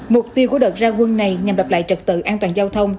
mục tiêu của đợt ra quân này nhằm đập lại trật tự an toàn giao thông